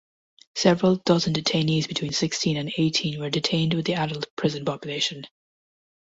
Several dozen detainees between sixteen and eighteen were detained with the adult prison population.